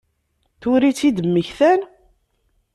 Tura i tt-id-mmektan?